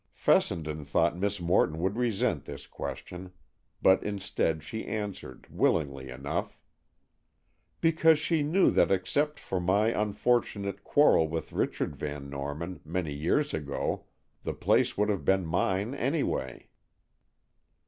Fessenden thought Miss Morton would resent this question, but instead she answered, willingly enough: "Because she knew that except for my unfortunate quarrel with Richard Van Norman, many years ago, the place would have been mine any way."